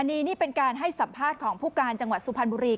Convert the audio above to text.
นี่นี่เป็นการให้สัมภาษณ์ของผู้การจังหวัดสุพรรณบุรี